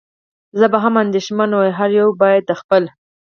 زه به هم اندېښمن وای، هر یو باید د خپل.